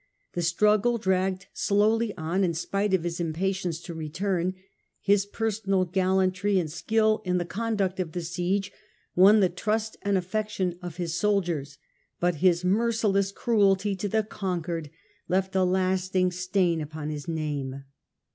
The struggle dragged Skill in the slowly on in spite of his impatience to return. cmeU*"to personal gallantry and skill in the con th^^pn ^ duct of the siege won the trust and affection Boners. mcrciless cruelty to the conquered left a lasting stain upon his name.